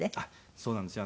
そうなんですよ。